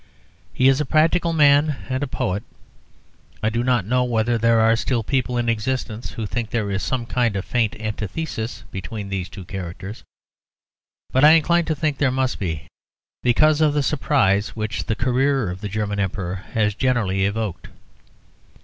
He is a practical man and a poet. I do not know whether there are still people in existence who think there is some kind of faint antithesis between these two characters; but I incline to think there must be, because of the surprise which the career of the German Emperor has generally evoked.